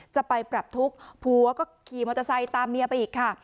จะไปปรับทุกข์ผัวก็ขี่มอเตอร์ไซค์ตามเมียไปอีกค่ะ